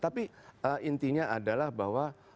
tapi intinya adalah bahwa